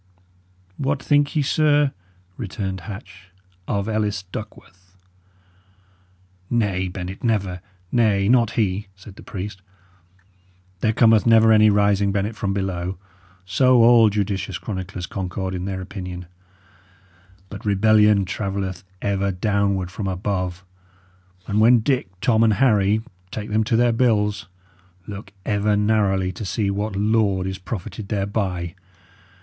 "What think ye, sir," returned Hatch, "of Ellis Duckworth?" "Nay, Bennet, never. Nay, not he," said the priest. "There cometh never any rising, Bennet, from below so all judicious chroniclers concord in their opinion; but rebellion travelleth ever downward from above; and when Dick, Tom, and Harry take them to their bills, look ever narrowly to see what lord is profited thereby.